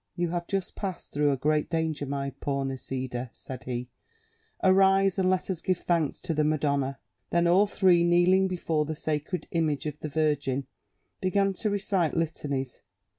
"You have just passed through a great danger, my poor Nisida," said he; "arise, and let us give thanks to the Madonna." Then all three, kneeling before the sacred image of the Virgin, began to recite litanies.